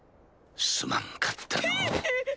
すまんかったのぅ。